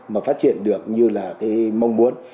mà phát triển được như là cái mong muốn